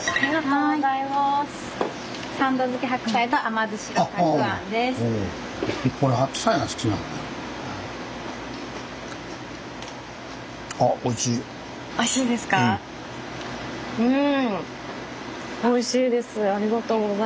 うん。